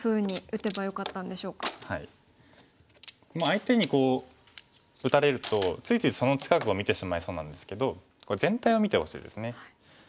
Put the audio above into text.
相手に打たれるとついついその近くを見てしまいそうなんですけど全体を見てほしいですね。